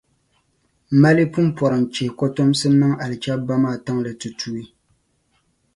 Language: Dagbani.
mali pumpɔrinchihi kɔtomsi niŋ alichɛbba maa tiŋli ti tuui.